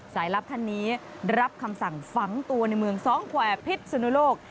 ลับท่านนี้รับคำสั่งฝังตัวในเมืองสองแขวพิษสุนุโลก